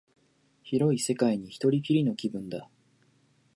広い世界に一人きりの気分だ